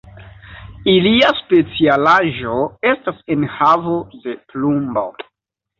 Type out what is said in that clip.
Ilia specialaĵo estas enhavo de plumbo.